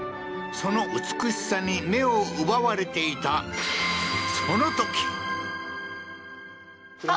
その美しさに目を奪われていたその時！